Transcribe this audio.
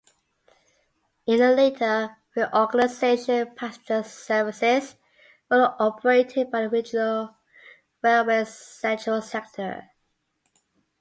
In a later reorganisation, passenger services were operated by the Regional Railways Central sector.